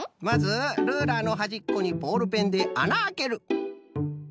まずルーラーのはじっこにボールペンであなあける。